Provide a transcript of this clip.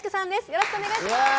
よろしくお願いします。